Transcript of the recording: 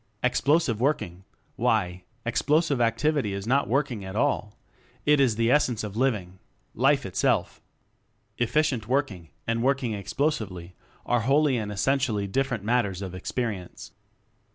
Explosive Working? Why, explo sive activity is not "working" at all! It is the essence of living. Life itself! "Efficient" working and working ex plosively are wholly and essentially different matters of experience.